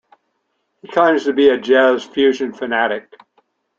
He claims to be a "jazz fusion fanatic".